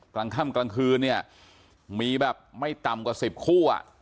กลางค่ำกลางคืนเนี่ยมีแบบไม่ต่ำกว่า๑๐คู่อ่ะ